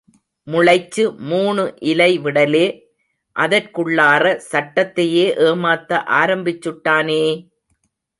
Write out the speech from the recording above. முளைச்சு மூணு இலை விடலே, அதற்குள்ளாற சட்டத்தையே ஏமாத்த ஆரம்பிச்சுட்டானே!...